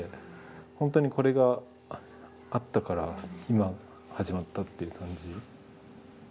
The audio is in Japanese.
本当にこれがあったから今始まったっていう感じ。